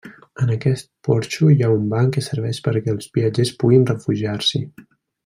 En aquest porxo hi ha un banc que serveix perquè els viatgers puguin refugiar-s'hi.